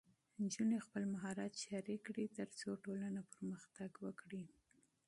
نجونې خپل مهارت شریک کړي، ترڅو ټولنه پرمختګ وکړي.